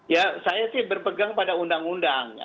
ya saya sih berpegang pada undang undang